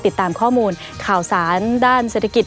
ติดตามข้อมูลข่าวสารด้านเศรษฐกิจ